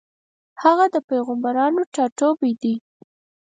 هغه د پېغمبرانو ټاټوبی دی.